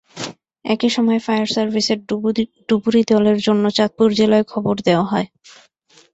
একই সময় ফায়ার সার্ভিসের ডুবুরি দলের জন্য চাঁদপুর জেলায় খবর দেওয়া হয়।